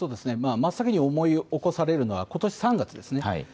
真っ先に思い起こされるのはことし３月ですね。